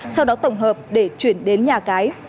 sau đó tổng hợp để chuyển đến nhà cái